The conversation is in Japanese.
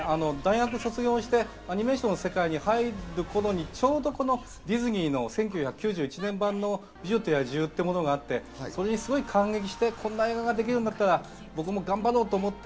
そうなんですよね、僕が大学を卒業してアニメーションの世界に入る頃にちょうどディズニーの１９９１年版の『美女と野獣』というものがあって、それに感激して、こんな映画ができるんだったら僕も頑張ろうと思って。